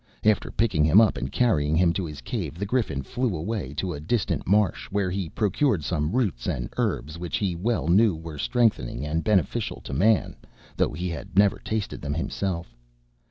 After picking him up and carrying him to his cave, the Griffin flew away to a distant marsh, where he procured some roots and herbs which he well knew were strengthening and beneficial to man, though he had never tasted them himself.